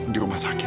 di rumah sakit